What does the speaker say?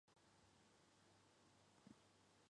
这样使用者可以按照自己的习惯安装枪背带。